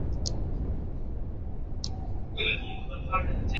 林中拂子茅为禾本科拂子茅属下的一个变种。